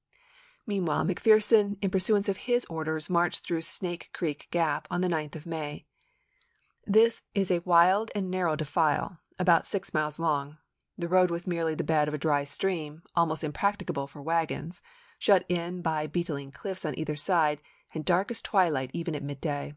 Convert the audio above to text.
"Apla?8!a'" Meanwhile McPherson in pursuance of his orders marched through Snake Creek Gap on the 9th of May. This is a wild and narrow defile, about six 1864. miles long ; the road was merely the bed of a dry stream, almost impracticable for wagons, shut in by beetling cliffs on either side, and dark as twilight even at midday.